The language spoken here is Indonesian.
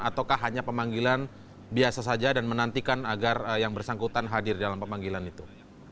ataukah hanya pemanggilan biasa saja dan menantikan agar yang bersangkutan hadir dalam pemanggilan itu